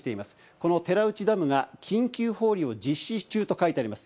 この寺内ダムが緊急放流を実施中と書いてあります。